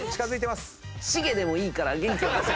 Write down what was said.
しげでもいいから元気を出せ！